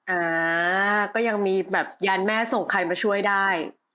อ่าก็ยังมีแบบยานแม่ส่งใครมาช่วยได้